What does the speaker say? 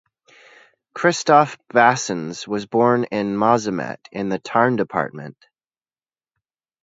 Christophe Bassons was born in Mazamet, in the Tarn department.